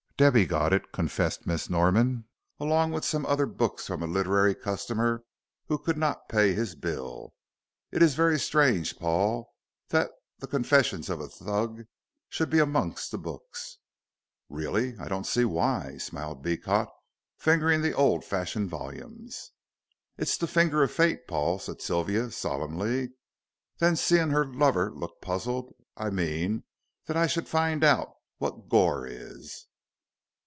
"Debby got it," confessed Miss Norman, "along with some other books from a literary customer who could not pay his bill. It is very strange, Paul, that The Confessions of a Thug should be amongst the books." "Really I don't see why," smiled Beecot, fingering the old fashioned volumes. "It's the finger of Fate, Paul," said Sylvia, solemnly. Then seeing her lover look puzzled, "I mean, that I should find out what goor is?"